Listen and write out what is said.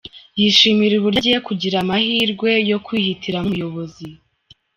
Yishimira uburyo agiye kugira amahirwe yo kwihitiramo umuyobozi.